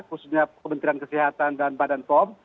khususnya kementerian kesehatan dan badan pom